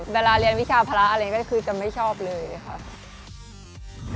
เวลาเรียนวิชาภาระอะไรก็คือจะไม่ชอบเลยค่ะ